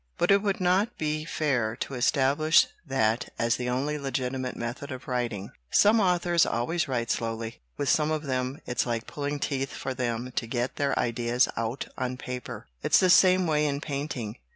But it would not be fair to establish that as the only legitimate method of writing. "Some authors always write slowly. With some of them it's like pulling teeth for them to get their ideas out on paper. It's the same way in painting.